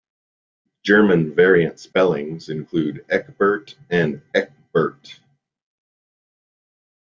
German variant spellings include Ekbert and Ecbert.